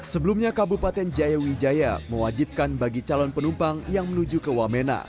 sebelumnya kabupaten jaya wijaya mewajibkan bagi calon penumpang yang menuju ke wamena